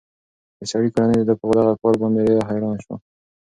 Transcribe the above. د سړي کورنۍ د ده په دغه کار باندې ډېره حیرانه شوه.